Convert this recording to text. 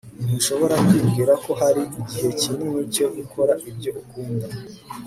ntushobora kwibwira ko hari igihe kinini cyo gukora ibyo ukunda